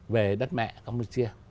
về đất mẹ campuchia